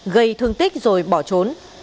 gây thương tích rồi bỏ trốn